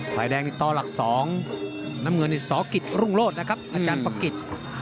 ไข่แดงตลอดหลัก๒น้ำเงินสอกิจรุ่งโรธนะครับอาจารย์ปะกิจ